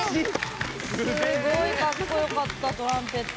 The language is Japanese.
すごいかっこよかったトランペット。